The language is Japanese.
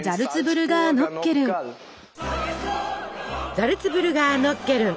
ザルツブルガーノッケルン。